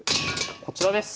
こちらです。